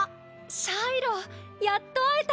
シャイロやっと会えた！